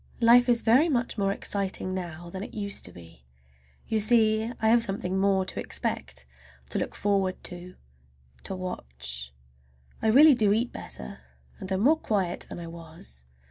Life is very much more exciting now than it used to be. You see I have something more to expect, to look forward to, to watch. I really do eat better, and am more quiet than I was.